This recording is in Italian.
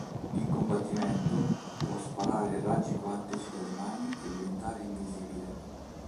In combattimento può sparare raggi quantici dalle mani e diventare invisibile.